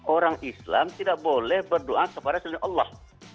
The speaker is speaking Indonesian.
orang islam tidak boleh berdoa kepada seluruh allah